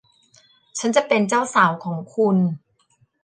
ฉันจะเป็นเจ้าสาวของคุณ